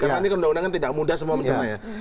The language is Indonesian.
karena ini keundang undangan tidak mudah semua mencermai ya